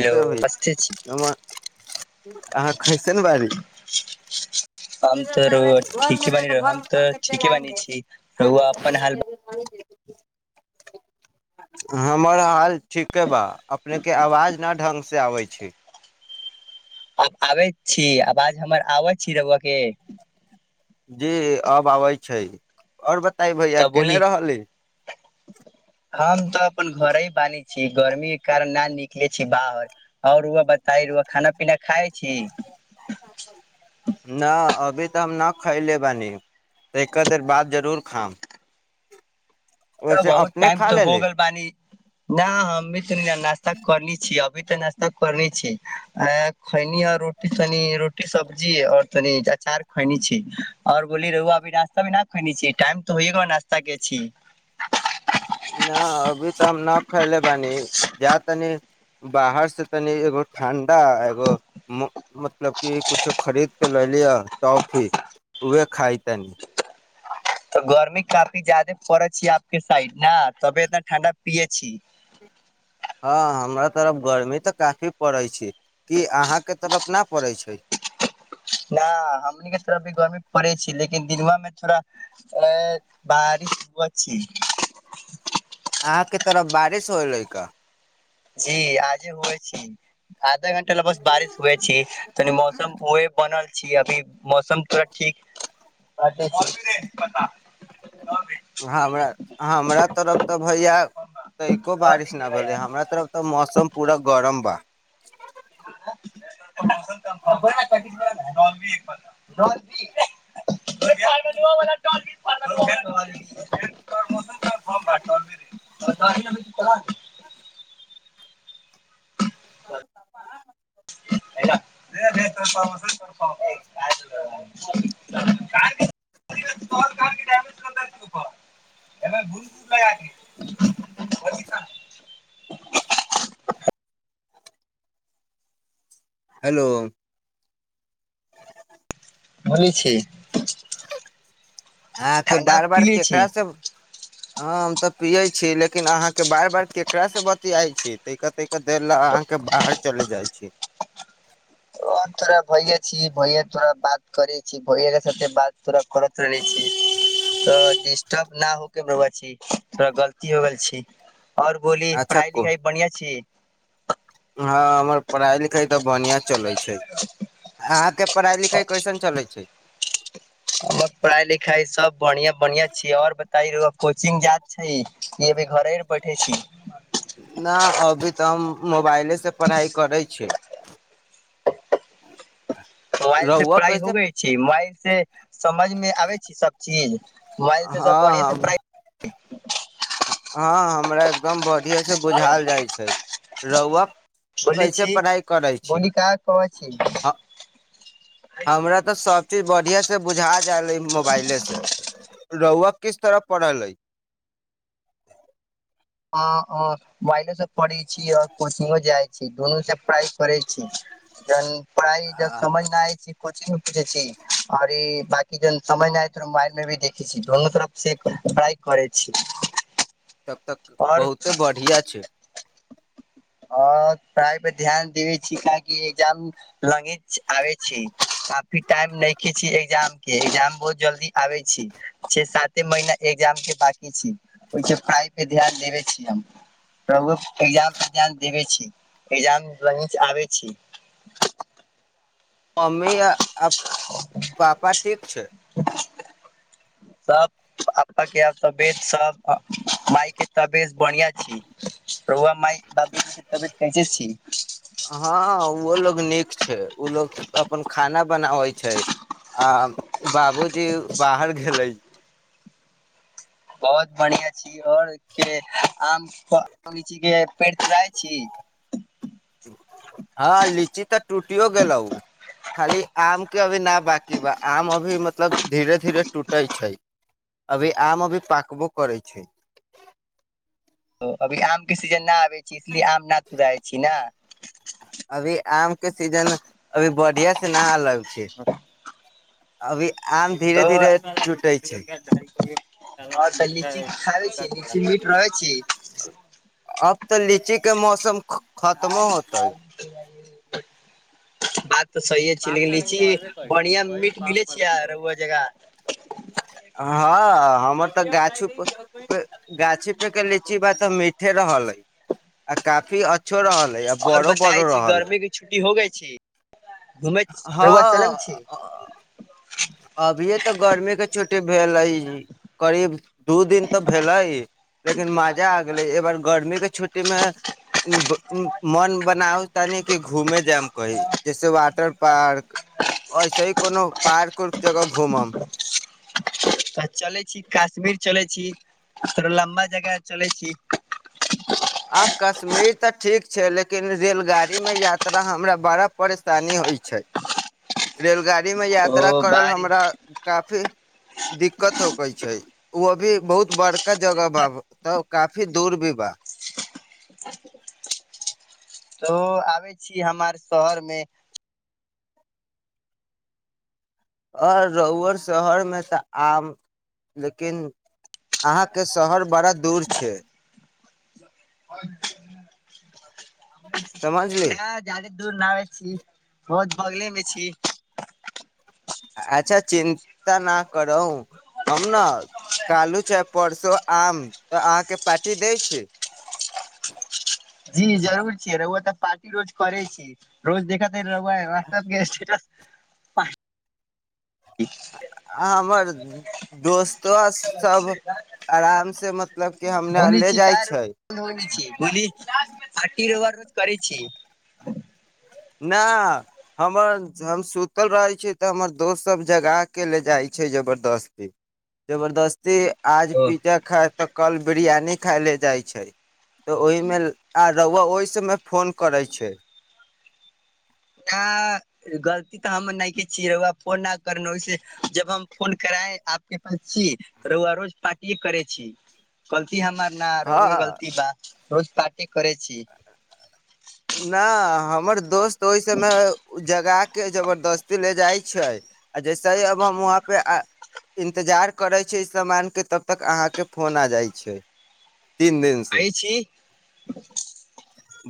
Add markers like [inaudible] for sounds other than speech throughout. hello अभी नमस्ते छी हम अहाँ कैसे ने बारी हम तऽ रउआ घरमे ठीके रह बानी तऽ हम ठीके बानी घरमे छी रउआ अपन हाल हमर हाल ठीक ह बा अपने के आवाज न ढंग से से आबै छै आब आबै छी आबज हमर आबै छी रहबके जी अब आबै छै आओर ब ताइ भैया तऽ बोली केने रहली हम तऽ अपन घरे ही बानहै छी गर्मी के कारण न निकले छी बाहर आओर बता खाना पीना खाइ छी न अभी तऽ हम न खै लेबानी एक देर बाद जरूर खाम तऽ वैसे बहुत अपने टाइम खा तऽ हो लेली गेल बानी न हममे त नाश्ता करनी छीियै अब अभी तऽ ना्ता करने छी ख आो रोटी सब्जी ओर तनि अचार खनी छी आओर बोलली रहभी ना्ता ख छी टाइम तऽ हो ना्ता के छी नहि अभी तऽ हम न खैले बी जा तनी बाहर से तनि एगो ठणडा एगो मतलब क कछो खरीद क ल लियह टॉफी उह खाइ तनी तऽ गर्मी काफी जादे पड़ै छै आपके साइड ने तब एतना ठण्डा पियए छी हँ हमरा तरफ गर्मी तऽ काफी पड़ै छै कि अहाँके तरफ नहि पड़ै छै न हमनीके थड़ अभी गर्मी पड़ै छै लेकिन दिनआ मे थोड़ा बारिश हु छै यहाँ के तरफ बारिश होलै क जी आज हो छी आधा घं्टा ल बस बारिश हुए छै तनी मौसम उह बनल अभी मौसम थोरा ठीक हमरा हमरा तरफ तऽ भैया तैो बारिश नहि भेलै हमरा तरफ तऽ मौसम पूरा गरम बा [unintelligible] [inaudible] [unintelligible] हेलो बोले छी आ के ठण्डा बार बार पीले छी केकरा से ह हम तऽ पियै छी लेकिन अहाँ के बार बार केकरा से बतियाई छी ते कहते के दे ल अहाँके बाहर चलि जाइ छी थोड़रा भैये छी भैय तोरा बात करे छी भैये के साथे बात तोड़ करत रहले छी तो डिस्टर्ब न हो के बआ छी थोड़ा गलती हो गेल छी और बोली अच्छा पढ़ाई को लिखाई बढ़ियां छी हँ हमर पढ़ाई लिखाई तऽ बढ़िया चलै छै अहाँके पढ़ाई लिखाई कैसन चलै छै हमर पढ़ाई लिखाई सब बढ़िआ बढ़िआं छिय आओर बता रह कोचिंगग जायइत छै स बे घरे पढ़े छी न अभी तऽ हम मोबाइलेसँ पढ़ाइ करै छी मोबाइल से पढ़ाइ हो गई छै मोबाइल से समझ मे आबै छी सब चीज मोबाइल से सब हँ बढ़िआँ से हम प्राइ ठीक हँ हमरा एकदम बढ़िएँसँ बुझायल पढ़ाई जाइ छै रहहुुआ बोले कैसे छी पढ़ाइ करै छी बोली का कहै छी हँ हमरा तऽ सब चीज बढ़िआ से बुझा जाल मोबाइले से ओक किस तरह पढ़ल अइ ह मोबाइलो से पढ़े छी और कोचिंगो जाइ छी दुनू से प्राइ करै छी जन पढ़ाइ जब आ समझमे आइ छी कोिंग मे पूछे छी आओर ई बाकी जन समझय मोबाइल मे भी देखे छीोनू तरफ से ्रइ करै छी तब तक और बहुते बढ़िया छै ओ प्राय पर ध्यान देबे छी ककिजाम लगे आ छै अी टाइम नहि क छी एग्जाम के एग्जाम बहुत जल्दी आबे छी छ साते महीना एग्जाम के बाकी छी ओहि पढ़ाइ पे ध्यान देबे छी हम एग्जाम देब छी ए्जाम नच आबै छी मम्मी आ आ पापा ठीक छै सब पा के आब तबियत सब माायके तबियत बढ़िया छीौआ माय के तबियत कैसे छी हँ ओहो लोग नीक छै ओ लोग अपन खाना बनाबै छै आ बाबूजी बाहर गेलै बहुत बढ़िियां छै ई आओर के आम लीची के पेड़ तुड़ाय छी हँ लीची तऽ टूटियो गेलौ खाली आम के अभी न बाकी बा आम अभी मतलब धीरे धीरे टूटे छै अभी आम अभी पाकबो करै छै त अभी आम क सीजन नहि आबै छी इसलिए आम न तुड़इ छी ने [unintelligible] अभी आम के सीजन अभी बढ़िया से नहि अलग छै अभी आम तो धीे धीरे लुटै छै और तऽ लीची खाबे छी लीची मीठ रहे छी तऽ लीची के मौसम खत्मो होतै [unintelligible] बात तऽ सहिे छै लेकिन लीची बढ़िया मीट मिलै छिय रहुआ जगह हँ हमर तऽ गाछ गाछी पे के लीची बा तऽ मीठे रहल हई आ काफी अच्छो रहल अइ आ आओर बड़ो बताय बड़ो छी रहल अइ गर्मी के छुट्टी हो गई ीक हँ अभी तऽ गर्मी के छु भेल करीब दू दिन तऽ भेलै लेकिन मजा आ गेले एक बार गर्मी के छुट्टी मे मन बनाउ तनी कि घूमे जायम कही जैसे वाटर पार्क ऐसे ही कोनो पार्क उर्क जगह घूमम तऽ चलै छी कश्मीर चलै छी थोड़ो लम्बा जगह चलै छी आब कश्मीर तऽ ठीक छै लेकिन रेलगाड़ी मे यात्रा हमरा बड़ा परेशानी होइ छै रेलगाड़ी गाड़ी मे ओ यात्रा करल बारी हमरा काफी दिक्कत हो कहै छै ओ भी बहुत बड़का जगह बा तऽ काफी दूर भी बा तऽ आबै छीिय हमर शहरमे आओर रोहुुअर शहर मे तऽ आम लेकिन अहाँके शहरमे बड़ा दूर छै समझली ह जा बहुत दूर नाबे छी बहुत बगले मे छी अच्छा चिन्ता न करू हम ने कालू चाहे परसो आम तऽ अहाँके पार्टी दै छै जी जरूर छीिय रुआ तऽ पार्टी रोज करे छी रोज देख रबइ व ग [inaudible] आ हमर दोस्त से मतलब कि हमरा बोल ले छी जाइ क छै रोज ब छी बोल पटी रोग रोज करै छी न हमर हम सुतल रहै छी तऽ हमर दोस्त सब जगा के ले जाइ छै जबरदस्ती जबरदस्ती आज ओ पिज्जा खा तऽ कल बिरयानी खाय ले जाइ छै तऽ ओहिमे आर रुआ ओहि समय फोन करै छै नहि गलती तऽ हम नहि के छीियै रहुआ फोन नहि कर ओहिस जब हम फोन करााय आपके पास छीिय त रुआ रोज पार्टिए करे छी गलती हमर न रह उ हँ गलती बा रोज पार्टी करै छी न हमर दोस्त तऽ ओहि सबमे जगा के जबरदस्ती ले जाइ छै आ जैसे ही अब हम वहाँपे इन्तजार करै छी सामानके तब तक अहाँके फोन आ जाइ छै तीन दिन से कहै छी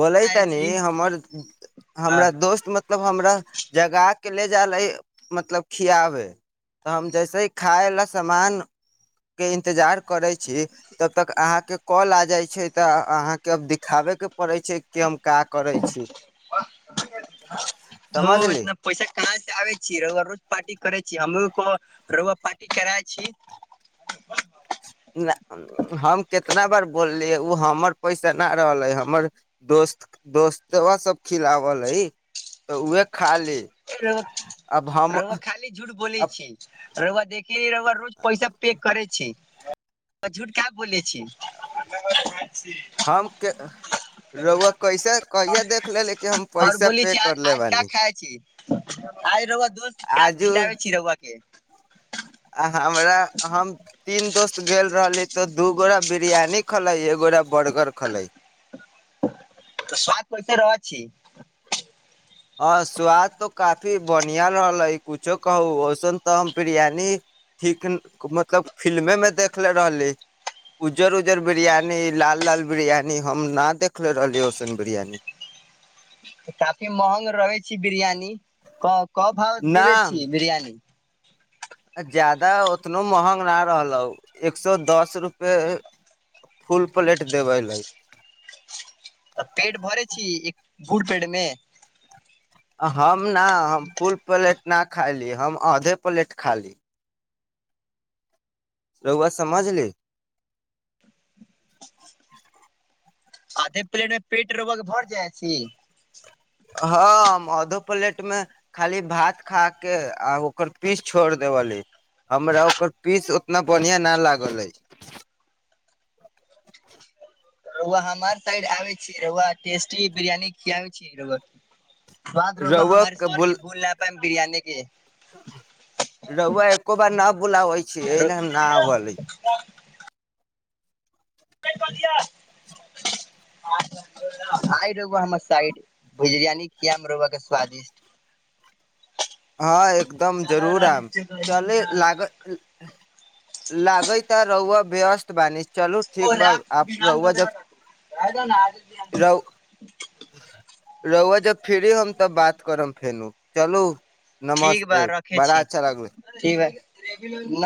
बोलै आय छी हँ [unintelligible] के ले जा ल मतलब खियाबे तऽ हम जैसे ह खायला समामान के इन्तजार करै छी तब तक अहाँके कॉल आ जाइ छै तऽ अहाँकेब दिखाबे के पड़ै छै [inaudible] का करै छी तो समझली इतना पैसा कहाँ आबै छी रआ रोज पार्टी करै छी हमरो रआ पार्टी कराय छी हम कितना बार बोललियै ओ हमर पैसा नहि रहल है हमर दोस्त दोस्तो सब खिलावल है तऽ उह र खाली झूठ बोल अब छ रौआ देखिय रौआ रोज पैसा पेय करै छी तऽ झूठ काहे बोलै छी हम रहुआ कैसा कहिया देख ले ले कि हम और पैसा बोलै पे छी आज करले आज का बानी खाय छी आइ रआ दोस्त क खिलाबे छी रौआ [inaudible] आ हमरा हम तीन दोस्त गेल रहली तो दू गोटा बिरियानी खलै एगोटा बर्गर खलै तऽ स्वाद पैसे रह छी हँ स्वाद तऽ काफी बढ़िआँ रहलै किछो कहू ओसन तऽ हम बिरियानी ठीक मतलब फिलमेमे देखले रहली उज्जर उज्जर बिरियानी लाल लाल बिरियानी हम नहि देखले रहली ओसन बिरियानी काफी महंग रहै छै बिरियानी कऽ कऽ भाव दबै छी नाम बिरियानी ज्यादा ओतनो महग ना रहलौ एक सए दस रुपे फुल प्लेट देबै ल तऽ पेट भरय छी फूल पेडमे हम ना हम फुल प्लेट ना खायली हम आधे प्लेट खायली रहुआ समझली आधे प्लेटमे पेट रौआक भर जाइ छी हँ हम आधो प्लेट मे खाली भात खा के आ ओकर पीस छोड़ देबली हमरा ओकर पीस ओतना बढ़िआं न लागल अए रौआ हमार साइड आबे छी रौआ टेस्टी बिरयानी खियाआबे छी रौआ बाद रौआ रउआ हमार स्वरके भूल नहि पाय बिरयानी के रौआ एको बार न बुलाबै छै रउ एले न अबलै [unintelligible] आइ रौआ हमर साइड बिरियानी खियैब रौआ के स्वादिष्ट हँ एकदम जरूर आयम चलय लागल लागैता रौआ व्यस्त बानी चलू ठीक बा आप रउआ जब [unintelligible] रहुआ जब फ्री हैम तब बात करब फेन चलू ठीक नमस्ते बड़ा अच्छा लागलै नम